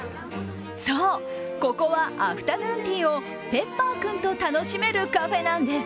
そう、ここはアフタヌーンティーをＰｅｐｐｅｒ君と楽しめるカフェなんです。